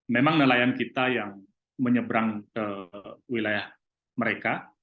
memang nelayan kita yang menyeberang ke wilayah mereka